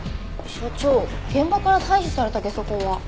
所長現場から採取されたゲソ痕は？